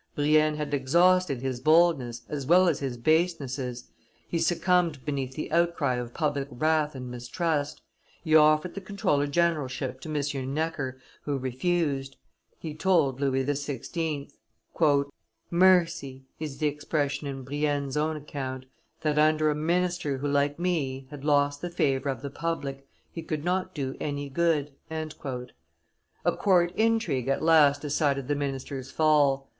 Brienne had exhausted his boldness as well as his basenesses; he succumbed beneath the outcry of public wrath and mistrust. He offered the comptroller generalship to M. Necker, who refused. "He told XVI. "Mercy," is the expression in Brienne's own account, "that under a minister who, like me, had lost the favor of the public, he could not do any good." A court intrigue at last decided the minister's fall.